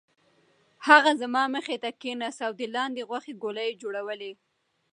هغه زما مخې ته کېناست او د لاندي غوښې ګولې یې جوړولې.